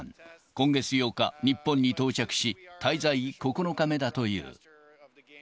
今月８日、日本に到着し、滞在９日目だという。